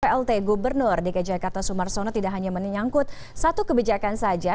plt gubernur dki jakarta sumarsono tidak hanya menyangkut satu kebijakan saja